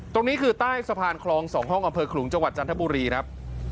ตรงนี้คือใต้สะพานคลอง๒ห้องอำเภอขลุงจังหวัดจันทบุรีครับ